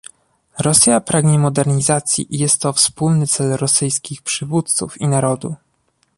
Rosja pragnie modernizacji i jest to wspólny cel rosyjskich przywódców i narodu